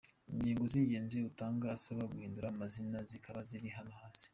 Ingingo z’ingenzi atanga asaba guhindura amazina zikaba ziri hano hasi:.